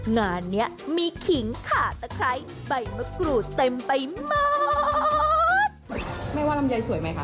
งานเนี้ยมีขิงขาตะไคร้ใบมะกรูดเต็มไปหมดไม่ว่าลำไยสวยไหมคะ